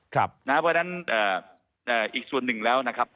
เพราะฉะนั้นอีกส่วนหนึ่งแล้วนะครับ